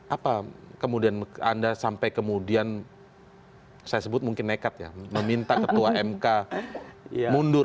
apa kemudian anda sampai kemudian saya sebut mungkin nekat ya meminta ketua mk mundur